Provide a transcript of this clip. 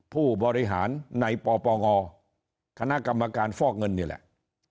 ผู้บริหารในปปงคณะกรรมการฟอกเงินนี่แหละ